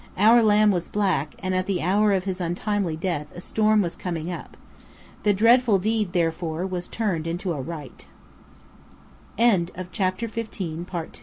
Our lamb was black: and at the hour of his untimely death a storm was coming up. The dreadful deed, therefore, was turned into a Rite. CHAPTER XVI AN OILED HAND That is